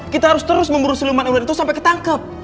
kita harus terus mengurus siluman ular itu sampai ketangkep